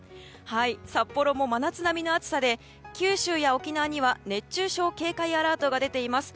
札幌も真夏並みの暑さで九州や沖縄には熱中症警戒アラートが出ています。